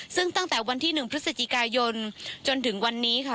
ซึ่งตั้งแต่วันที่๑พฤศจิกายนจนถึงวันนี้ค่ะ